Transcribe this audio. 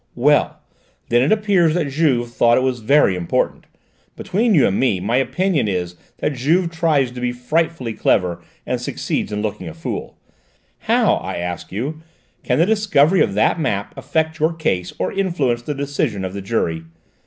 "Well, then it appears that Juve thought it was very important. Between you and me, my opinion is that Juve tries to be frightfully clever and succeeds in looking a fool. How, I ask you, can the discovery of that map affect your case or influence the decision of the jury?